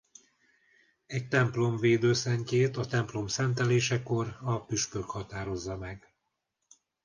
Egy templom védőszentjét a templom szentelésekor a püspök határozza meg.